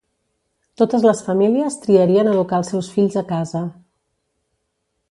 Totes les famílies triarien educar els seus fills a casa.